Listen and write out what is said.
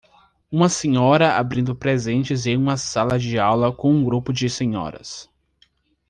Uma senhora abrindo presentes em uma sala de aula com um grupo de senhoras